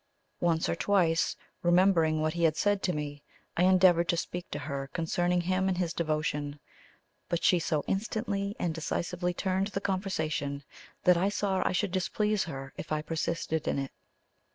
Once or twice, remembering what he had said to me, I endeavoured to speak to her concerning him and his devotion; but she so instantly and decisively turned the conversation that I saw I should displease her if I persisted in it.